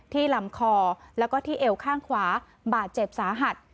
ลำคอแล้วก็ที่เอวข้างขวาบาดเจ็บสาหัส